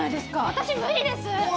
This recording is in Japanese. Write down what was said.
私無理です。